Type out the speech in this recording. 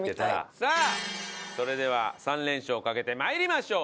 さあそれでは３連勝をかけて参りましょう。